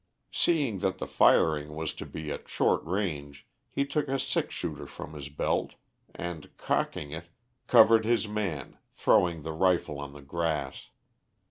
Seeing that the firing was to be at short range, he took a six shooter from his belt, and, cocking it, covered his man, throwing the rifle on the grass.